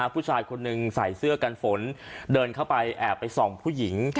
ผู้ชายคนหนึ่งใส่เสื้อกันฝนเดินเข้าไปแอบไปส่องผู้หญิง